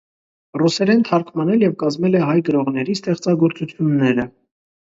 Ռուսերեն թարգմանել և կազմել է հայ գրողների ստեղծագործությունները։